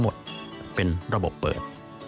ทั้งหมดเป็นระบบเปิด